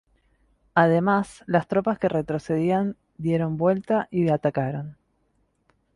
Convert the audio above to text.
Además, las tropas que retrocedían dieron vuelta y atacaron.